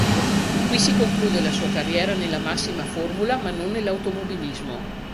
Qui si conclude la sua carriera nella massima formula ma non nell'automobilismo.